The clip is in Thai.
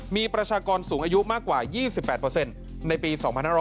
มีประชากรสูงอายุมากกว่า๒๘ในปี๒๕๖๐